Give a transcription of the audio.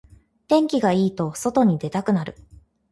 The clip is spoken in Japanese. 天気がいいと外に出たくなる